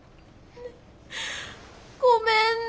ごめんね。